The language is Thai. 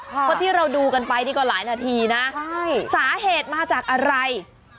เพราะที่เราดูกันไปนี่ก็หลายนาทีนะสาเหตุมาจากอะไร